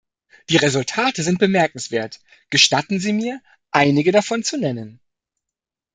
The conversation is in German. Die Resultate sind bemerkenswert, gestatten Sie mir, einige davon zu nennen.